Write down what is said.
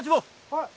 はい。